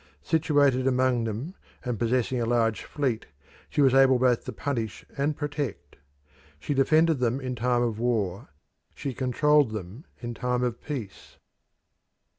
Situated among them, and possessing a large fleet, she was able both to punish and protect. She defended them in time of war; she controlled them in time of peace.